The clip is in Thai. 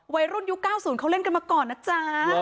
วัยรุ่นยุค๙๐เขาเล่นกันมาก่อนนะจ๊ะ